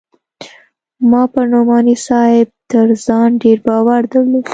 ما پر نعماني صاحب تر ځان ډېر باور درلود.